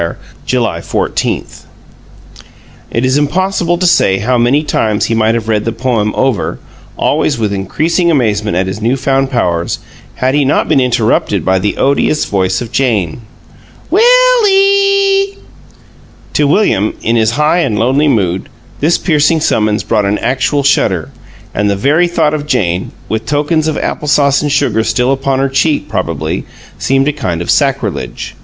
July 14 It is impossible to say how many times he might have read the poem over, always with increasing amazement at his new found powers, had he not been interrupted by the odious voice of Jane. "Will ee!" To William, in his high and lonely mood, this piercing summons brought an actual shudder, and the very thought of Jane (with tokens of apple sauce and sugar still upon her cheek, probably) seemed a kind of sacrilege.